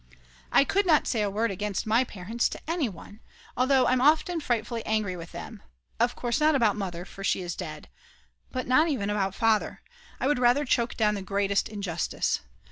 I could not say a word against my parents to anyone, although I'm often frightfully angry with them; of course not about Mother, for she is dead. But not even about Father; I would rather choke down the greatest injustice.